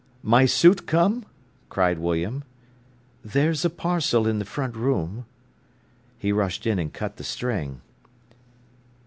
"My suit come?" cried William. "There's a parcel in the front room." He rushed in and cut the string.